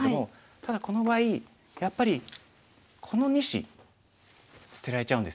ただこの場合やっぱりこの２子捨てられちゃうんですよね。